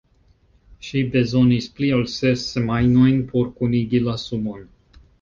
Ŝi bezonis pli ol ses semajnojn por kunigi la sumon.